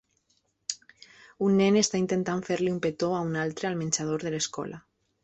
Un nen està intentant fer-li un petó a un altre al menjador de l'escola.